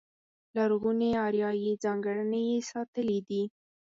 لرغونې اریایي ځانګړنې یې ساتلې دي.